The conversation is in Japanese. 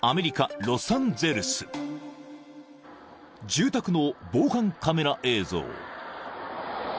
［住宅の防犯カメラ映像］